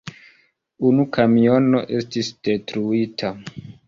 Unu kamiono estis detruita.